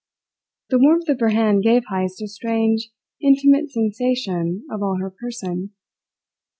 The warmth of her hand gave Heyst a strange, intimate sensation of all her person.